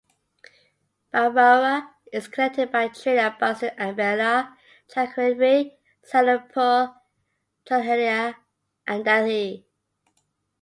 Barara is connected by train and bus to Ambala, Jagadhri, Saharanpur, Ludhiana, and Delhi.